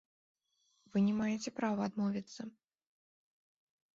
Вы не маеце права адмовіцца!